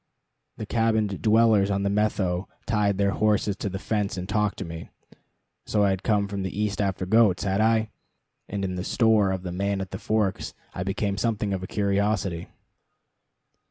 The cabined dwellers on the Methow tied their horses to the fence and talked to me so I had come from the East after goats, had I? and in the store of the Man at the Forks I became something of a curiosity.